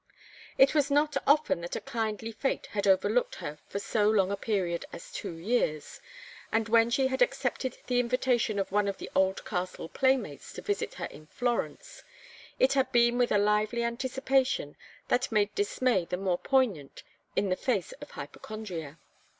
It was not often that a kindly fate had overlooked her for so long a period as two years, and when she had accepted the invitation of one of the old castle playmates to visit her in Florence, it had been with a lively anticipation that made dismay the more poignant in the face of hypochondria.